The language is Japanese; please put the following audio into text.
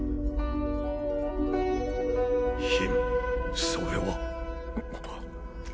ヒムそれは。